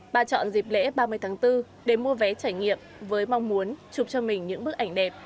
bà chọn dịp lễ ba mươi tháng bốn để mua vé trải nghiệm với mong muốn chụp cho mình những bức ảnh đẹp